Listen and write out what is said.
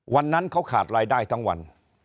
วันนั้นเขาขาดรายได้ทั้งวัน